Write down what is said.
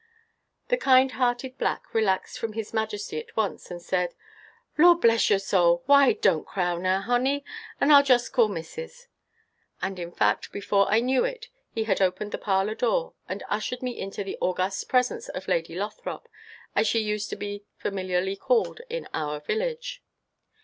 The kind hearted black relaxed from his majesty at once, and said. "Lord bress yer soul! why, don't cry now, honey, and I 'll jes' call missis"; – and in fact, before I knew it, he had opened the parlor door, and ushered me into the august presence of Lady Lothrop, as she used to be familiarly called in our village.